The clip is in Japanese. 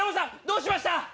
どうしました